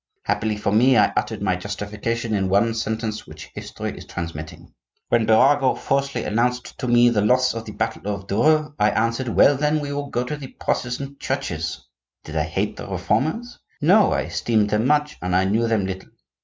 Happily for me, I uttered my justification in one sentence which history is transmitting. When Birago falsely announced to me the loss of the battle of Dreux, I answered: "Well then; we will go to the Protestant churches." Did I hate the reformers? No, I esteemed them much, and I knew them little.